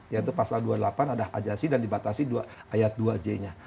yaitu pasal dua puluh delapan ada ajasi dan dibatasi ayat dua j nya